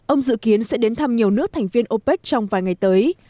ông dự kiến sẽ đến thăm nhiều nước thành viên opec trong vài ngày tới